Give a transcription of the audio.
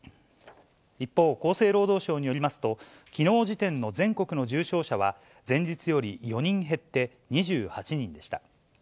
一方、厚生労働省によりますと、きのう時点の全国の重症者は前日より４人減って２８人でした。